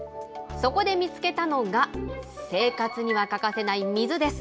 そこで見つけたのが、生活には欠かせない水です。